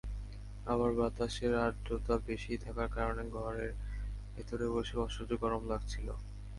আবার বাতাসের আর্দ্রতা বেশি থাকার কারণে ঘরের ভেতরে বসেও অসহ্য গরম লাগছিল।